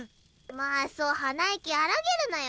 まあそう鼻息荒げるなよ